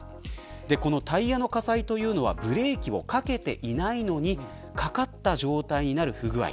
このタイヤの火災というのがブレーキをかけていないのにかかった状態になる不具合。